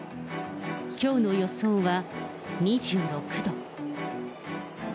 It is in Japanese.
きょうの予想は、２６度。